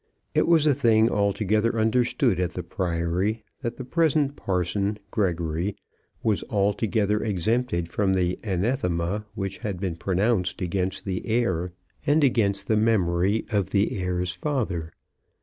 It was a thing altogether understood at the Priory that the present parson Gregory was altogether exempted from the anathema which had been pronounced against the heir and against the memory of the heir's father.